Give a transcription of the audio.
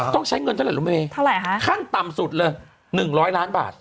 ต้องใช้เงินเท่าไหร่รู้ไหมขั้นต่ำสุดเลย๑๐๐ล้านบาท